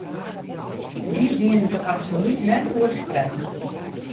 Dy wienen dêr absolút net oer te sprekken.